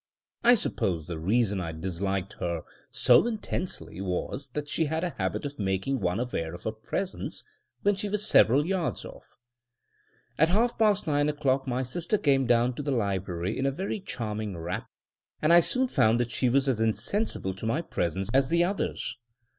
I suppose the reason I disliked her so intensely was, that she had a habit of making one aware of her presence when she was several yards off. At half past nine o'clock my sister came down to the library in a very charming wrap, and I soon found that she was as insensible to my presence as the others.